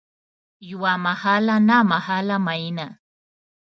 یوه محاله نامحاله میینه